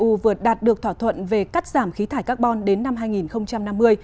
liên minh châu âu eu vượt đạt được thỏa thuận về cắt giảm khí thải carbon đến năm hai nghìn năm mươi